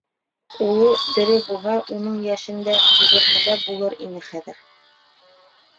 Улы, тере булһа, уның йәшендә, егермелә булыр ине хәҙер.